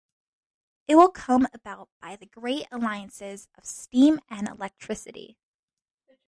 It will come about by the great alliances of steam and electricity.